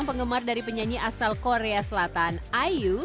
yang menggemar dari penyanyi asal korea selatan iu